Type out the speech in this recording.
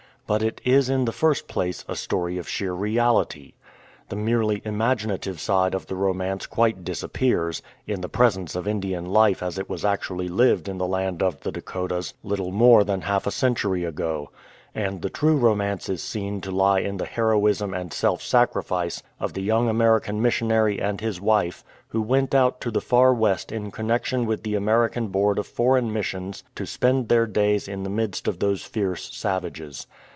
But it is in the first place a story of sheer reality. The merely imaginative side of the romance quite disappears, in the presence of Indian life as it was actually lived in the land of the Dakotas little more than half a century ago ; and the true romance is seen to lie in the heroism and self sacrifice of the young American missionary and his wife, who went out to the Far West in connexion with the American Board of Foreign Missions to spend their days in the midst of those fierce savages.